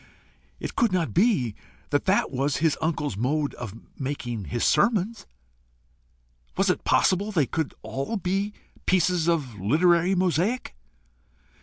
It could not be that that was his uncle's mode of making his sermons? Was it possible they could all be pieces of literary mosaic?